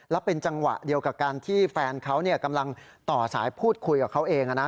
แล้วเป็นจังหวะเดียวกับการที่แฟนเขากำลังต่อสายพูดคุยกับเขาเอง